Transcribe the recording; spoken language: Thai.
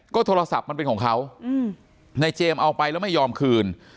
โทรศัพท์มันเป็นของเขาในเจมส์เอาไปแล้วไม่ยอมคืน